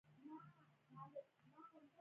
د نجونو تعلیم د ژوند کیفیت لوړولو سبب دی.